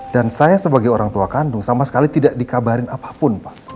dan saya sebagai orang tua kandung sama sekali tidak dikabarin apapun pak